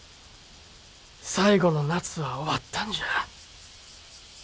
最後の夏は終わったんじゃ。